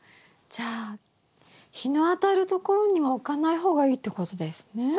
じゃあ日の当たるところには置かない方がいいってことですね。